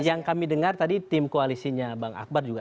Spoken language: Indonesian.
yang kami dengar tadi tim koalisinya bang akbar juga